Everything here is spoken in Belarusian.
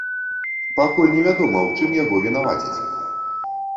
Пакуль невядома, у чым яго вінавацяць.